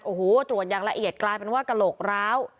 โอ้โหตรวจอย่างละเอียดกลายเป็นว่ากระโหลกร้าว